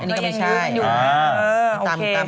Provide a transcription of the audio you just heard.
อันนี้ก็ไม่ใช่